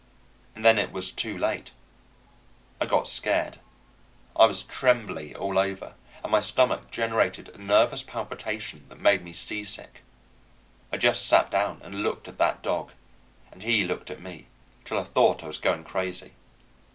And then it was too late. I got scared. I was trembly all over, and my stomach generated a nervous palpitation that made me seasick. I just sat down and looked at that dog, and he looked at me, till I thought I was going crazy.